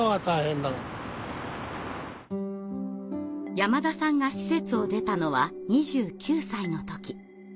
山田さんが施設を出たのは２９歳の時。